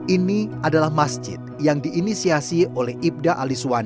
ini adalah masjid yang diinisiasi oleh ibn sallallahu alaihi wasallam